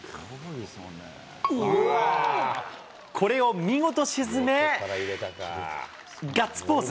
これを見事沈め、ガッツポーズ。